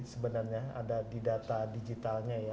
sebenarnya ada di data digitalnya ya